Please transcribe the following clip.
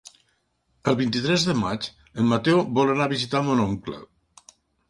El vint-i-tres de maig en Mateu vol anar a visitar mon oncle.